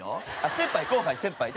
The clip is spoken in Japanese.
「先輩後輩先輩です